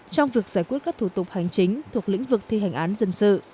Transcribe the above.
trong việc giải quyết các thủ tục hành chính thuộc lĩnh vực thi hành án dân sự